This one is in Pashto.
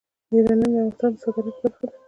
یورانیم د افغانستان د صادراتو برخه ده.